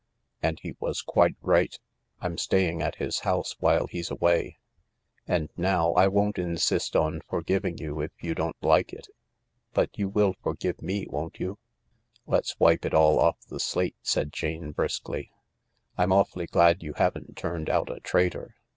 And he was quite right. I'm staying at his house while he's away. And now, I won't insist on forgiving you if you don't like it. But you will forgive me, won't you ?"" Let's wipe it all off the slate," said Jane briskly. " I'm awfully glad you haven't turned out a traitor.